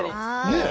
ねえ？